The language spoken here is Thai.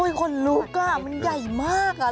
คนลุกอ่ะมันใหญ่มากอ่ะ